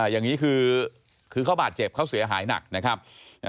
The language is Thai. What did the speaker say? อย่างนี้คือเขาบาดเจ็บเขาเสียหายหนักนะครับ